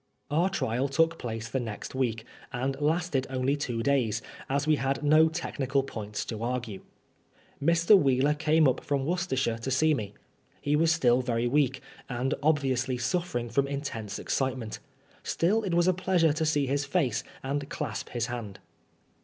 Our trial took place the next week, and lasted only two days, as we had no technical points to argue. ' Mr. Wheeler came up from Worcestershire to see me. He was still very weak, and obviously suffering from in tense excitement. Still it was a pleasure to see his face and clasp his hand.